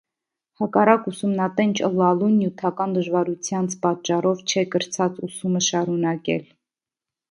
Հակառակ ուսումնատենչ ըլլալուն, նիւթական դժուարութեանց պատճառով չէ կրցած ուսումը շարունակել։